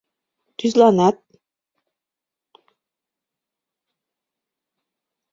Тӱзланат